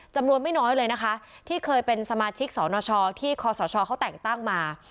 จำนวนไม่น้อยเลยนะคะที่เคยเป็นสมาชิกสนชที่คศเขาแต่งตั้งมา